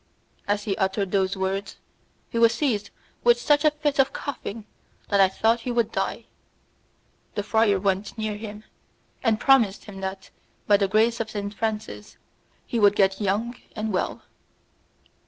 As he uttered those few words, he was seized with such a fit of coughing that I thought he would die. The friar went near him, and promised him that, by the grace of Saint Francis, he would get young and well.